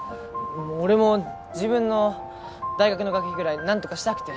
俺も自分の大学の学費ぐらい何とかしたくて。